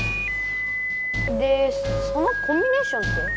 でそのコンビネーションって？